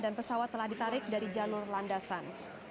dan pesawat telah ditarik dari jalur landasan